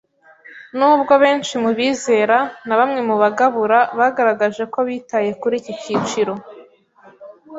Nubwo benshi mu bizera na bamwe mu bagabura bagaragaje ko bitaye kuri icyi cyiciro